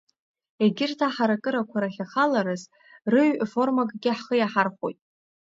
Егьырҭ аҳаракырақәа рахь ахалараз рыҩ-формакгьы ҳхы иаҳархәоит.